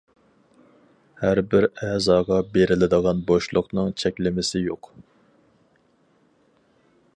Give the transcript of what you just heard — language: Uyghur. ھەربىر ئەزاغا بېرىلىدىغان بوشلۇقنىڭ چەكلىمىسى يوق.